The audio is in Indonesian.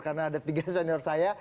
karena ada tiga senior saya